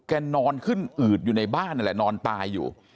นอนขึ้นอืดอยู่ในบ้านนั่นแหละนอนตายอยู่